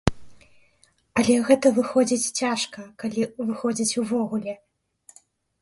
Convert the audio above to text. Але гэта выходзіць цяжка, калі выходзіць увогуле.